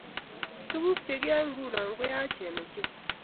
Tuguuk chegiyoe nguno ko yachen ochei